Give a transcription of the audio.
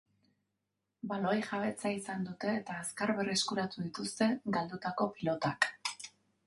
Baloi-jabetza izan dute, eta azkar berreskuratu dituzte galdutako pilotak.